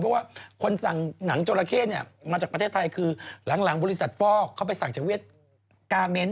เพราะว่าคนสั่งหนังจราเข้เนี่ยมาจากประเทศไทยคือหลังบริษัทฟอกเขาไปสั่งจากเวียดกาเมน